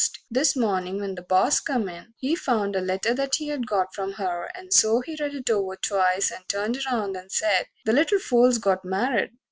This morning when the boss come in he found A letter that he'd got from her, and so He read it over twice and turned around And said: "The little fool's got married!"